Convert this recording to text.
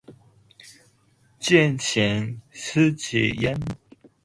见贤思齐焉